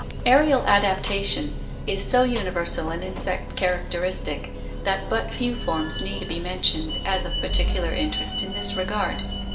Aerial adaptation is so universal an insect characteristic that but few forms need be mentioned as of particular interest in this re gard.